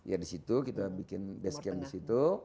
ya di situ kita bikin base camp di situ